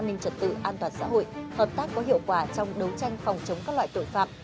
an ninh trật tự an toàn xã hội hợp tác có hiệu quả trong đấu tranh phòng chống các loại tội phạm